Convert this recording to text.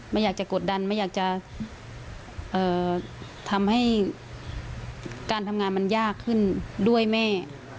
ไม่อยากจะกดดันไม่อยากจะทำให้การทำงานมันยากขึ้นด้วยแม่